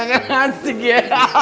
enggak asik ya